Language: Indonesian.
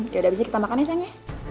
ya udah habis ini kita makan ya sayangnya